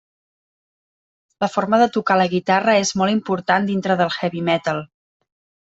La forma de tocar la guitarra és molt important dintre del heavy metal.